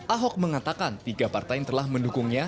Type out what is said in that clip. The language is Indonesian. ahok mengatakan tiga partai yang telah mendukungnya